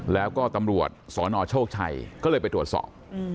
แล้วก็ตำรวจสนโชคชัยก็เลยไปตรวจสอบ